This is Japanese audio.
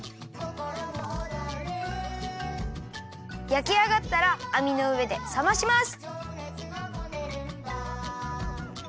やきあがったらあみのうえでさまします。